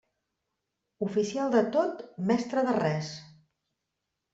Oficial de tot, mestre de res.